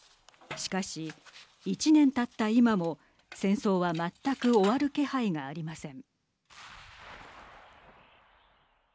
しかし、１年たった今も戦争は全く終わる気配がありません。